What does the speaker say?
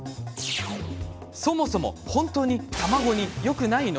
そもそも本当に卵によくないの？